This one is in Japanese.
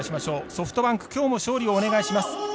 ソフトバンクきょうも勝利をお願いします。